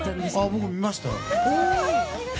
僕見ました。